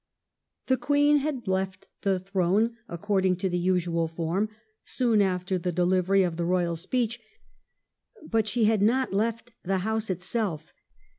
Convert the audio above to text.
The Queen had left the throne according to the usual form soon after the delivery of the Eoyal Speech, but she had not left the House itself.